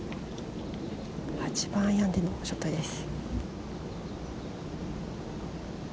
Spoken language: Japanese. ８番アイアンでのショットです。